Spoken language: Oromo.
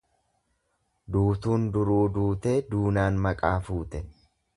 Duutuun duruu duutee duunaan maqaa fuute.